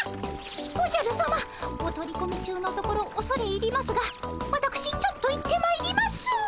おじゃるさまお取り込み中のところおそれ入りますがわたくしちょっと行ってまいります。